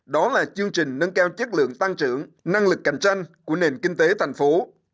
đó là chương trình nâng cao chất lượng tăng trưởng năng lực cạnh tranh của nền kinh tế thành phố